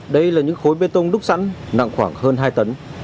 đây là những khối bê tông đúc sẵn nặng khoảng hơn hai tấn